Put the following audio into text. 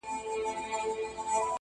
هر څوک خپل بار وړي تل